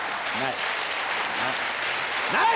ない。